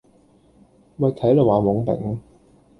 喂睇路呀懵丙